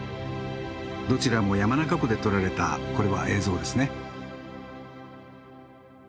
どちらも山中湖で撮られたこれは映像ですね。